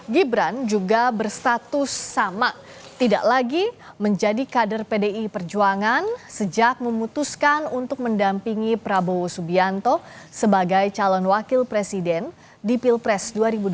gibran juga berstatus sama tidak lagi menjadi kader pdi perjuangan sejak memutuskan untuk mendampingi prabowo subianto sebagai calon wakil presiden di pilpres dua ribu dua puluh